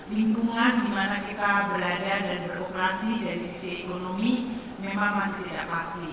lingkungan di mana kita berada dan beroperasi dari sisi ekonomi memang masih tidak pasti